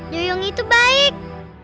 duyung itu baik